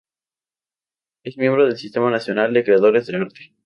Es miembro del Sistema Nacional de Creadores de Arte.